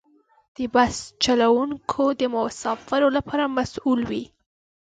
د بس چلوونکي د مسافرو لپاره مسؤل وي.